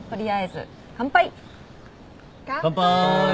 乾杯。